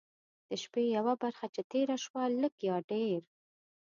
د شپې یوه برخه چې تېره شوه لږ یا ډېر.